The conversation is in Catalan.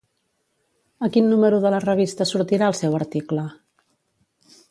A quin número de la revista sortirà el seu article?